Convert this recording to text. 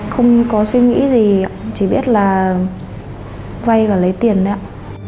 không có suy nghĩ gì chỉ biết là vay và lấy tiền đấy ạ